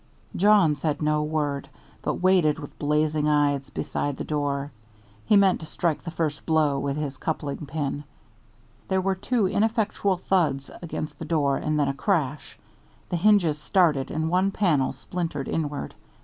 Jawn said no word, but waited with blazing eyes beside the door. He meant to strike the first blow with his coupling pin. There were two ineffectual thuds against the door and then a crash. The hinges started and one panel splintered inward.